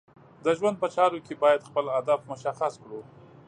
د ژوند په چارو کې باید خپل هدف مشخص کړو.